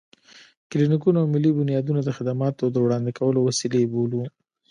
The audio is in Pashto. کلينيکونه او ملي بنيادونه د خدماتو د وړاندې کولو وسيلې بولو.